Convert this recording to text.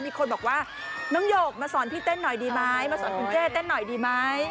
มีคนบอกว่าน้องหยกมาสอนพี่เต้นหน่อยดีไหมมาสอนคุณเจ้เต้นหน่อยดีไหม